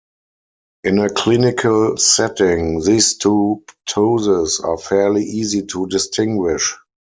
In a clinical setting, these two ptoses are fairly easy to distinguish.